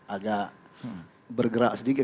agak bergerak sedikit